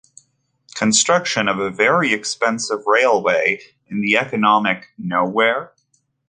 Construction of a very expensive railway in the economic "nowhere"?